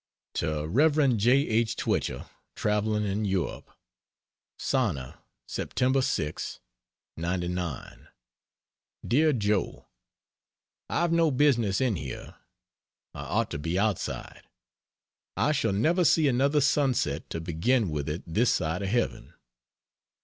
To Rev. J. H. Twichell, traveling in Europe: SANNA, Sept. 6, '99. DEAR JOE, I've no business in here I ought to be outside. I shall never see another sunset to begin with it this side of heaven.